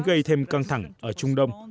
gây thêm căng thẳng ở trung đông